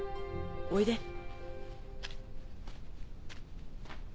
おいで。